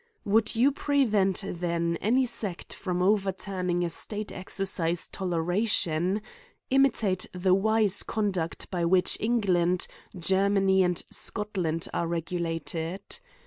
Would you prevent then any sect from over turning a state exercise toleration : imitate the wise conduct by which England, Germany, and Scotland are regulated.